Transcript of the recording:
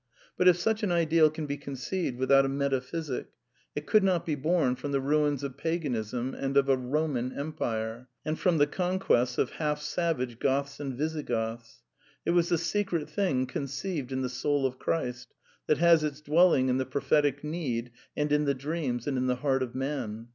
But if such an ideal can be conceived without a meta physic, it could not be bom from the ruins of Paganism and of a Boman Empire, and from the conquests of half savage Goths and Visigoths. It was the secret thing con ceived in the soul of Christ, that has its dwelling in the prophetic need and in the dreams and in the heart of man.